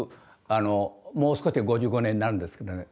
もう少しで５５年になるんですけどね